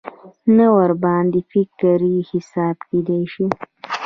نه ورباندې فکري حساب کېدای شي.